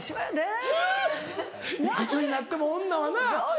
いくつになっても女はなぁ。